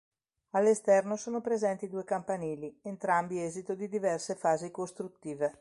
All'esterno sono presenti due campanili, entrambi esito di diverse fasi costruttive.